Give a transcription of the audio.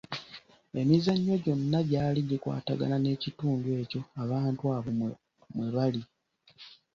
Emizannyo gyonna gyali gikwatagana n’ekitundu ekyo abantu abo mwe bali.